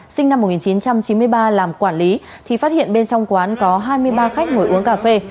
sinh năm một nghìn chín trăm chín mươi ba làm quản lý thì phát hiện bên trong quán có hai mươi ba khách ngồi uống cà phê